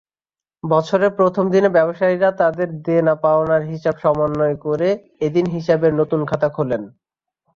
বছরের প্রথম দিনে ব্যবসায়ীরা তাদের দেনা-পাওনার হিসাব সমন্বয় করে এদিন হিসাবের নতুন খাতা খোলেন।